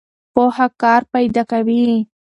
پوهه کار پیدا کوي.